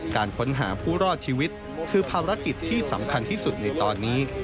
การค้นหาผู้รอดชีวิตคือภารกิจที่สำคัญที่สุดในตอนนี้